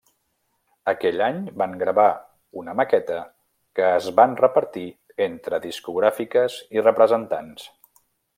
Aquell any van gravar una maqueta que es van repartir entre discogràfiques i representants.